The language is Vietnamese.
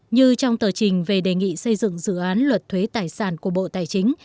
như trong tờ trình về đề nghị xây dựng dự án luật thuế tài sản của bộ tài chính